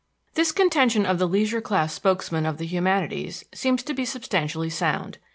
This contention of the leisure class spokesmen of the humanities seems to be substantially sound.